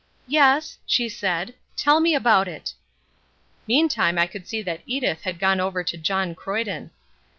"Yes," she said, "tell me about it." Meantime I could see that Edith had gone over to John Croyden.